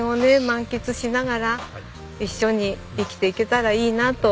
満喫しながら一緒に生きていけたらいいなと。